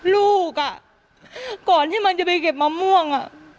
ลูกอ่ะก่อนที่มันจะไปเก็บมะม่วง